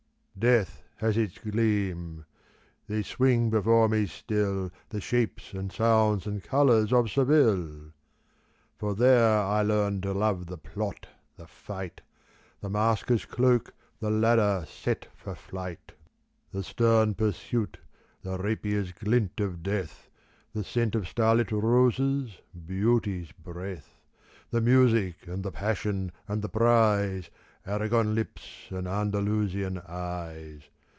Death has its gleam. They swing before me still. The shapes and sounds and colours of Seville ! For there I learnt to love the plot, the fight. The masker's cloak, the ladder set for flight, 189 The stern pursuit, the rapier's gHnt of death, The scent of starHt roses, beauty's breath. The music and the passion and the prize, Aragon lips and Andalusian eyes.